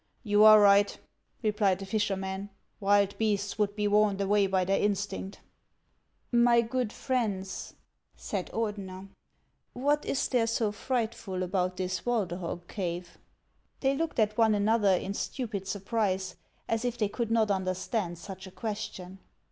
" You are right," replied the fisherman ;" wild beasts would be warned away by their instinct." " My good friends," said Ordener, " what is there so frightful about this Walderhog cave ?" They looked at one another in stupid surprise, as if they could not understand such a question.